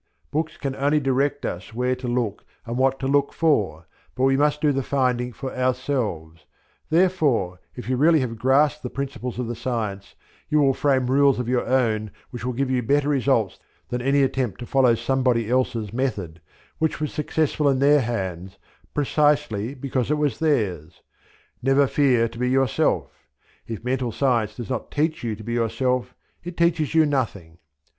Books can only direct us where to look and what to look for, but we must do the finding for ourselves; therefore, if you have really grasped the principles of the science, you will frame rules of your own which will give you better results than any attempt to follow somebody else's method, which was successful in their hands precisely because it was theirs. Never fear to be yourself. If Mental Science does not teach you to be yourself it teaches you nothing.